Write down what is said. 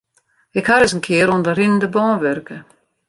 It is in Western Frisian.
Ik ha ris in kear oan de rinnende bân wurke.